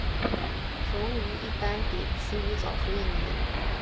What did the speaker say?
雄鱼一般比雌鱼早熟一年。